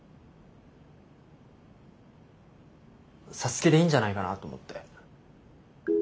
皐月でいいんじゃないかなと思って。